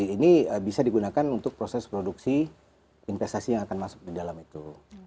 ini bisa digunakan untuk proses produksi investasi yang akan masuk di dalam itu